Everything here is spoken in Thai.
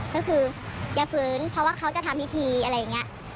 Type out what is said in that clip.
ก็คืออย่าฟื้นเพราะว่าเขาจะทำพิธีอะไรอย่างนี้